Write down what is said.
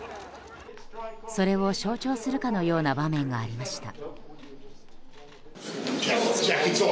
それを象徴するかのような場面がありました。